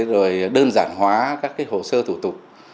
rồi đơn giản hóa các hồ sơ thủ tục